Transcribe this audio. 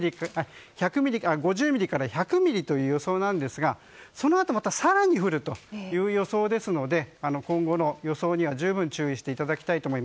５０ミリから１００ミリという予想なんですがそのあと更に降るという予想ですので今後の予想には十分注意してください。